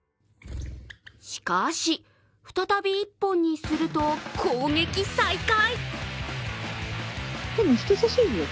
しかし、再び１本にすると攻撃再開。